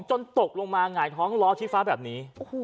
จนตกลงมาหงายท้องล้อชี้ฟ้าแบบนี้